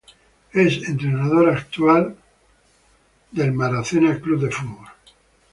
Es entrenador actual de los Arizona Diamondbacks.